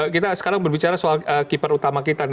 kita sekarang berbicara soal keeper utama kita